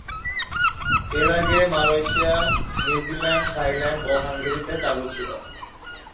এর আগে Malaysia, New Zealand, Thailand ও হাঙ্গেরিতে চালু ছিল।